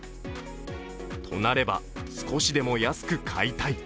となれば少しでも安く買いたい。